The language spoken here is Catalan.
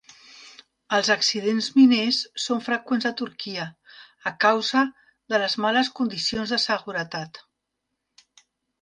Els accidents miners són freqüents a Turquia a causa de les males condicions de seguretat.